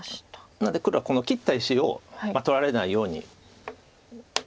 なので黒はこの切った石を取られないように。